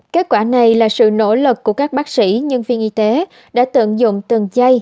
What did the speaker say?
kết quả này là sự nỗ lực của các bác sĩ nhân viên y tế đã tận dụng từng chay